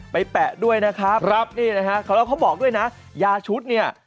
แปะด้วยนะครับครับนี่นะฮะเขาแล้วเขาบอกด้วยนะยาชุดเนี่ย